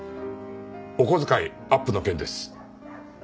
お小遣いアップの件です。